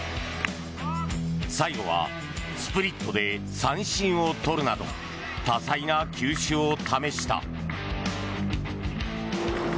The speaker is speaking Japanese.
最後はスプリットで三振を取るなど多彩な球種を試した。